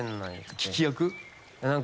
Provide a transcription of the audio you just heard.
聞き役？